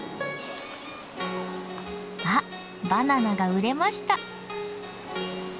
あバナナが売れました。